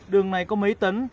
đường này có mấy tấn